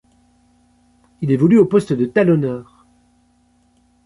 Il évolue au poste de talonneur.